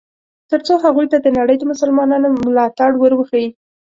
ترڅو هغوی ته د نړۍ د مسلمانانو ملاتړ ور وښیي.